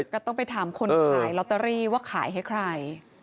ก็ต้องไปถามคนขายลอตเตอรี่ว่าขายให้ใคร